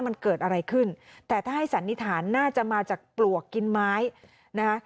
มันเกิดอะไรขึ้นแต่ถ้าให้สันนิษฐานน่าจะมาจากปลวกกินไม้นะคะ